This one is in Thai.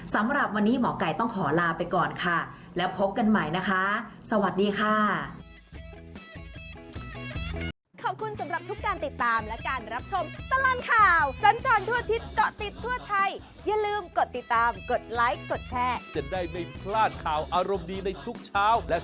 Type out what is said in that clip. สำหรับวันนี้หมอไก่ต้องขอลาไปก่อนค่ะแล้วพบกันใหม่นะคะสวัสดีค่ะ